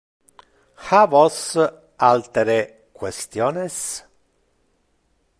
Ha vos altere questiones?